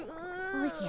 おじゃ。